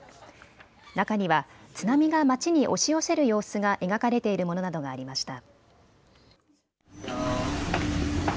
中には津波が町に押し寄せる様子が描かれているものなどがありました。